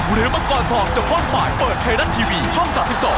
บุริษัทมังกรทองจะพลปลายเปิดแค่นั้นทีวีช่อง๓๒